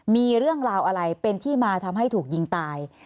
มีเรื่องราวอะไรเป็นที่มาทำให้ถูกยิงตาย